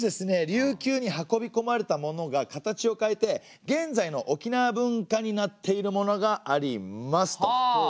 琉球に運び込まれたものが形を変えて現在の沖縄文化になっているものがありますと。